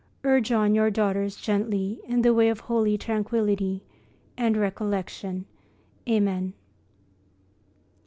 Urge on your daughters gently in the way of holy tranquillity and recollection. Amen.